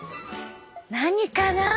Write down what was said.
何かな